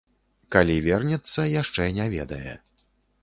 Калі вернецца, яшчэ не ведае.